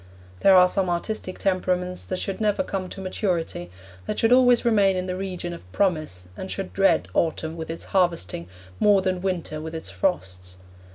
There are some artistic temperaments that should never come to maturity, that should always remain in the region of promise and should dread autumn with its harvesting more than winter with its frosts.